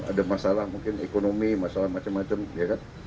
ada masalah mungkin ekonomi masalah macam macam ya kan